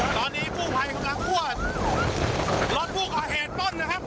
ตอนนี้ผู้หญิงกำลังทั่วรถรถผู้ก่อเหตุต้นนะครับ